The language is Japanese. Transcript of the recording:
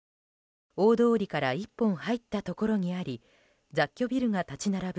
大通りから１本入ったところにあり雑居ビルが立ち並ぶ